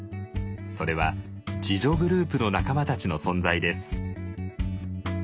それは自助グループの仲間たちの存在です。